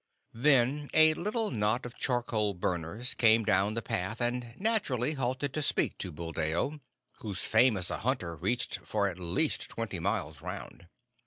Then a little knot of charcoal burners came down the path, and naturally halted to speak to Buldeo, whose fame as a hunter reached for at least twenty miles round.